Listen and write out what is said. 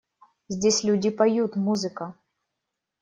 Здесь люди поют… музыка.